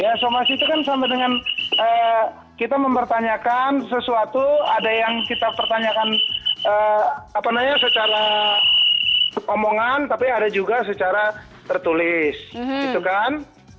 ya somasi itu kan sama dengan kita mempertanyakan sesuatu ada yang kita pertanyakan secara omongan tapi ada juga secara tertulis gitu kan